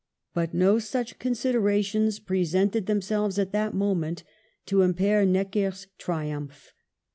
But no such considerations presented them selves at that moment to impair Necker's tri umph.